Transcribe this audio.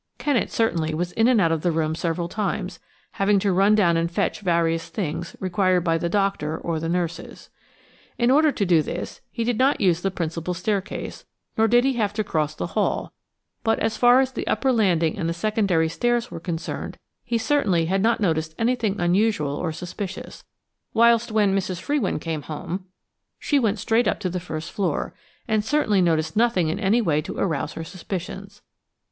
Kennet certainly was in and out of the room several times, having to run down and fetch various things required by the doctor or the nurses. In order to do this he did not use the principal staircase, nor did he have to cross the hall, but, as far as the upper landing and the secondary stairs were concerned, he certainly had not noticed anything unusual or suspicious; whilst when Mrs. Frewin came home, she went straight up to the first floor, and certainly noticed nothing in any way to arouse her suspicions.